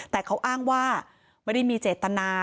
แต่เขาอ้างว่าไม่ได้มีเจตนา